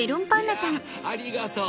やぁありがとう。